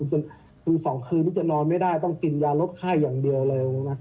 คือ๒คืนนี้จะนอนไม่ได้ต้องกินยาลดไข้อย่างเดียวเลยนะ